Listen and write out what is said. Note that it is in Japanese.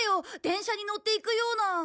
電車に乗っていくような。